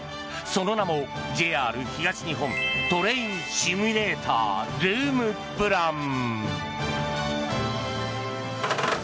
その名もＪＲ東日本トレインシミュレータールームプラン。